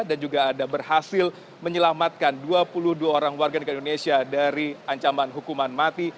dan juga ada berhasil menyelamatkan dua puluh dua orang warga negara indonesia dari ancaman hukuman mati